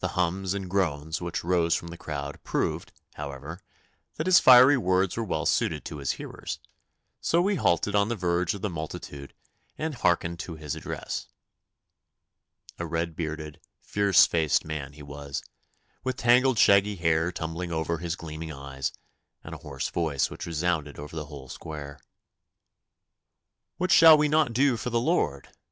The hums and groans which rose from the crowd proved, however, that his fiery words were well suited to his hearers, so we halted on the verge of the multitude and hearkened to his address. A red bearded, fierce faced man he was, with tangled shaggy hair tumbling over his gleaming eyes, and a hoarse voice which resounded over the whole square. 'What shall we not do for the Lord?